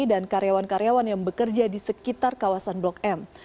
dan karyawan karyawan yang bekerja di sekitar kawasan blok m